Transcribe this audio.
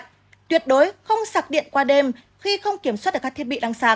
tuyệt đối không sạc điện qua đêm khi không kiểm soát được các thiết bị đang sạ